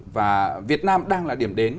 và việt nam đang là điểm đến